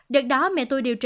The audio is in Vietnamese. được đó mẹ tôi điều trị